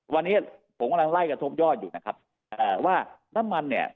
วันนี้ผมกำลังไล่กระทบยอดอยู่นะครับเอ่อว่าน้ำมันเนี่ย